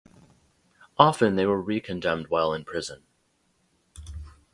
Often they were re-condemned while in prison.